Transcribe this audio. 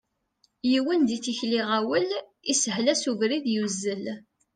Yiwen di tikli iɣawel, ishel-as ubrid, yuzzel.